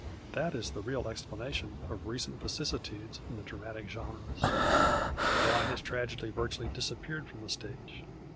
That is the real explanation of recent ^^cissitudcs in the dramatic genres. Why has tragedy virtually disap peared from the stage